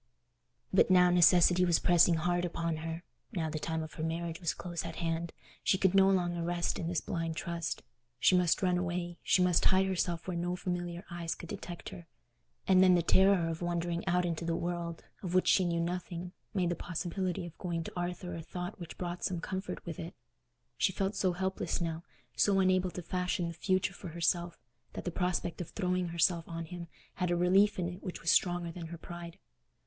But now necessity was pressing hard upon her—now the time of her marriage was close at hand—she could no longer rest in this blind trust. She must run away; she must hide herself where no familiar eyes could detect her; and then the terror of wandering out into the world, of which she knew nothing, made the possibility of going to Arthur a thought which brought some comfort with it. She felt so helpless now, so unable to fashion the future for herself, that the prospect of throwing herself on him had a relief in it which was stronger than her pride.